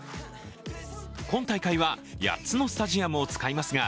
今大会は８つのスタジアムを使いますが、